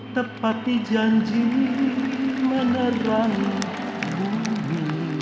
tepati janji menerang bumi